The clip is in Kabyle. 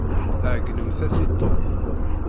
Ɛeyynemt-as i Tom.